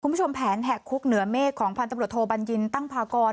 คุณผู้ชมแผนแหกคุกเหนือเมฆของพันธุ์ตำรวจโทบัญญินตั้งพากร